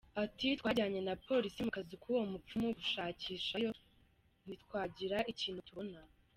Ati “Twajyanye na polisi mu kazu k’ uwo mupfumu gushakishayo, ntitwagira ikintu tubona”.